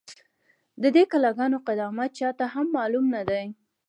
، د دې کلا گانو قدامت چا ته هم معلوم نه دی،